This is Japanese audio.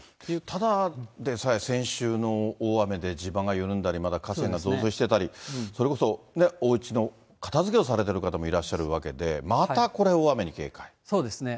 ただでさえ先週の大雨で地盤が緩んだり、まだ河川が増水してたり、それこそおうちの片づけをされている方もいらっしゃるわけで、まそうですね。